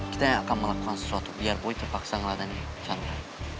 kita akan melakukan sesuatu biar boy terpaksa ngeladain chandra